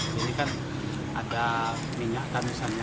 di sini kan ada minyak tamisannya